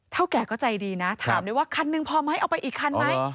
แก่ก็ใจดีนะถามด้วยว่าคันหนึ่งพอไหมเอาไปอีกคันไหม